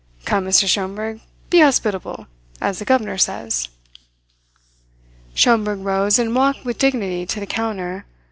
Come, Mr. Schomberg, be hospitable, as the governor says." Schomberg rose and walked with dignity to the counter.